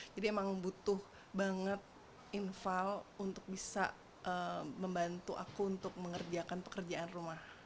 jadi emang butuh banget inval untuk bisa membantu aku untuk mengerjakan pekerjaan rumah